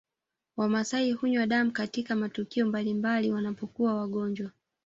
Wamaasai hunywa damu katika matukio mbalimbali wanapokuwa wagonjwa